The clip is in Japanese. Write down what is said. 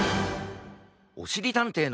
おしりたんていのじむ